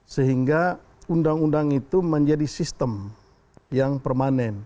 sehingga undang undang itu menjadi sistem yang permanen